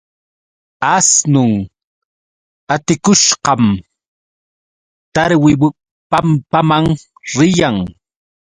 Asnun atikushqam Tawripampaman riyan.